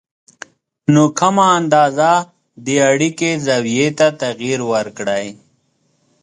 نو کمه اندازه د اړیکې زاویې ته تغیر ورکړئ